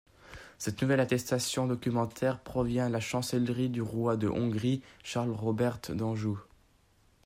Cette nouvelle attestation documentaire provient la chancellerie du roi de Hongrie, Charles-Robert d'Anjou.